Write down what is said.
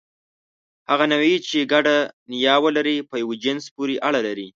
هغه نوعې، چې ګډه نیا ولري، په یوه جنس پورې اړه لري.